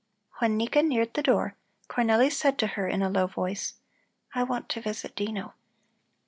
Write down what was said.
When Nika neared the door, Cornelli said to her in a low voice: "I want to visit Dino."